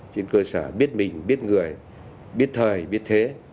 trên cơ sở biết mình biết người biết thời biết thế